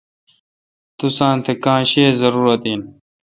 توساں تہ کاں شیہ زاروت این۔